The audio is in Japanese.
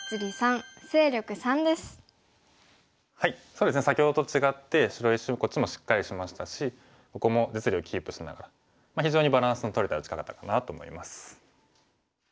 そうですね先ほどと違って白石こっちもしっかりしましたしここも実利をキープしながら非常にバランスのとれた打ち方かなと思います。